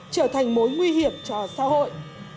trở thành mối nguy hiểm cho xã hội